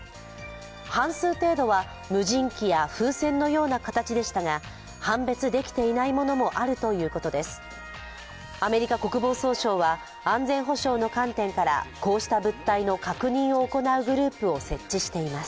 半数程度は無人機や風船のような形でしたが、判別できていないものもあるということです。